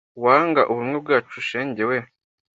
Uwanga ubumwe bwacu, shenge weee,